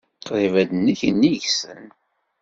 Qṛib ad d-nekk nnig-nsen.